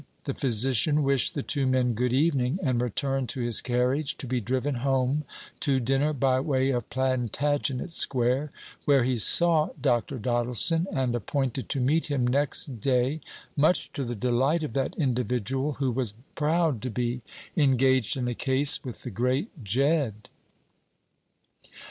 The physician wished the two men good evening, and returned to his carriage, to be driven home to dinner by way of Plantagenet Square, where he saw Dr. Doddleson, and appointed to meet him next day, much to the delight of that individual, who was proud to be engaged in a case with the great Jedd.